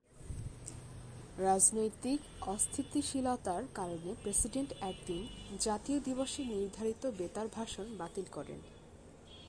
রাজনৈতিক অস্থিতিশীলতার কারণে প্রেসিডেন্ট এদিন জাতীয় দিবসের নির্ধারিত বেতার ভাষণ বাতিল করেন।